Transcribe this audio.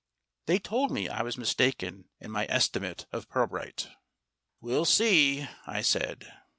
They told me I was mistaken in my estimate of Pirbright. "We'll see," I said.